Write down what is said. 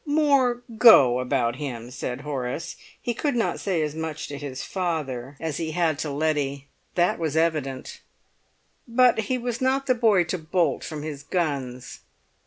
"More go about him," said Horace. He could not say as much to his father as he had to Letty. That was evident. But he was not the boy to bolt from his guns.